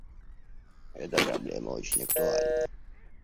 Эта проблема очень актуальна.